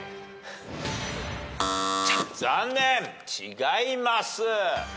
残念違います。